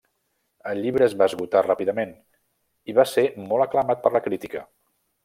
El llibre es va esgotar ràpidament i va ser molt aclamat per la crítica.